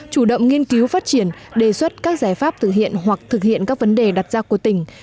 chủ động nghiên cứu phát triển đề xuất các giải pháp thực hiện hoặc thực hiện các vấn đề đặt ra của tỉnh